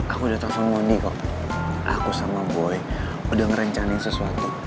aku udah tau sama mondi kok aku sama boy udah merencana sesuatu